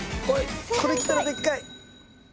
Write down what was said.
これきたらでっかい。